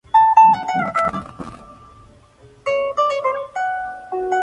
Se casó con la socialista Freda May Birkin.